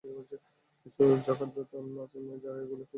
কিছু জাকাতদাতা আছেন যাঁরা এগুলো কিনে গরিব মানুষের মাঝে বিতরণ করেন।